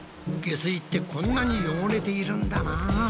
下水ってこんなに汚れているんだなぁ。